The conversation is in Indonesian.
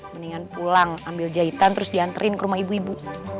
mendingan pulang ambil jahitan terus diantarin ke rumah ibu ibu